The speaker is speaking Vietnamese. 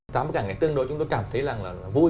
tám bức ảnh này tương đối chúng tôi cảm thấy là vui